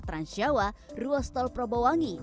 trans jawa ruas tol probowangi